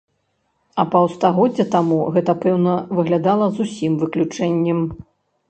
А паўстагоддзя таму гэта, пэўна, выглядала зусім выключэннем!